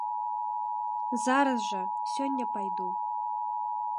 Зараз жа, сёння пайду.